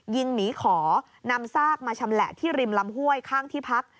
หมีขอนำซากมาชำแหละที่ริมลำห้วยข้างที่พัก